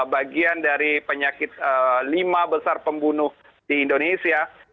bagian dari penyakit lima besar pembunuh di indonesia